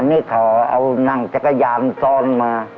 นี่เขาเอานั่งจักรยานซ่อนมา